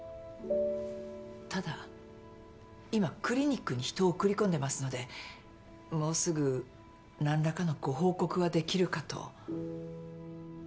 ただ今クリニックに人を送り込んでますのでもうすぐ何らかのご報告はできるかと。